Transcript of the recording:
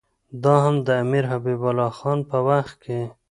دا هم د امیر حبیب الله خان په وخت کې.